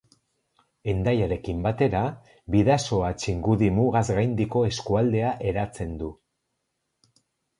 Hendaiarekin batera, Bidasoa-Txingudi mugaz gaindiko eskualdea eratzen du.